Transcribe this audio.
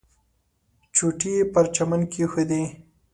چوټې یې پر چمن کېښودې.